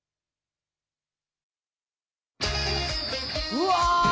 うわ！